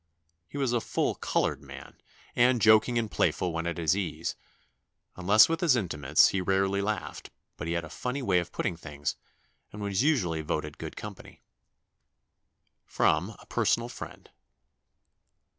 He was a full coloured man, and joking and playful when at his ease. Unless with his intimates, he rarely laughed, but he had a funny way of putting things, and was usually voted good company." [Sidenote: A personal friend.